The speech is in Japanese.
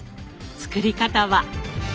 作り方は。